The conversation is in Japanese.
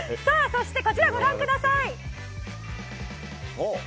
そしてこちら、ご覧ください。